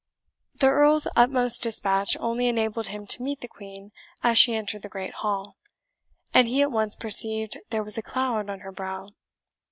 The Earl's utmost dispatch only enabled him to meet the Queen as she entered the great hall, and he at once perceived there was a cloud on her brow.